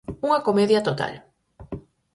Unha comedia total.